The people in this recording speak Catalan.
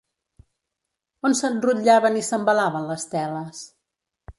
On s'enrotllaven i s'embalaven les teles?